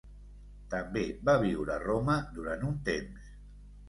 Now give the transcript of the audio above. També va viure a Roma durant un temps.